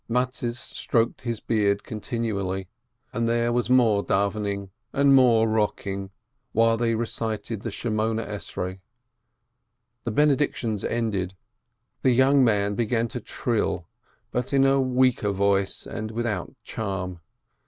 Mattes stroked his chin beard continually, then there was more davvening and more rocking while they recited the Eighteen Benedictions. The Benedictions ended, the young man began to trill, but in a weaker voice and without charm.